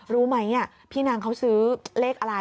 รู้ไหมพี่นางเขาซื้อเลขอะไร